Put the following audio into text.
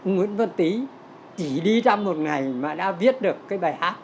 nguyễn văn tý chỉ đi trong một ngày mà đã viết được bài hát